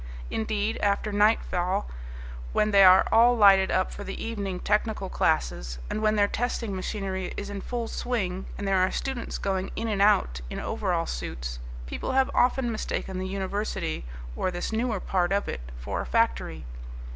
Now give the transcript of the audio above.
Indeed, after nightfall, when they are all lighted up for the evening technical classes and when their testing machinery is in full swing and there are students going in and out in overall suits, people have often mistaken the university, or this newer part of it, for a factory.